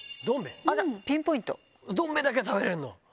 あら、どん兵衛だけ食べれるの？